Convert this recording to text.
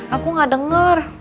aku nggak dengar